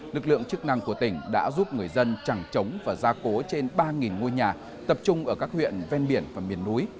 lực lượng chức năng của tỉnh đã giúp người dân chẳng chống và gia cố trên ba ngôi nhà tập trung ở các huyện ven biển và miền núi